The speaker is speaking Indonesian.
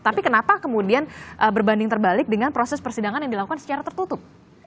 tapi kenapa kemudian berbanding terbalik dengan proses persidangan yang dilakukan secara tertutup